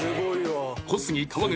小杉川口